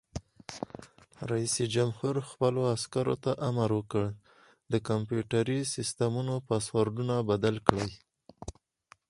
رئیس جمهور خپلو عسکرو ته امر وکړ؛ د کمپیوټري سیسټمونو پاسورډونه بدل کړئ!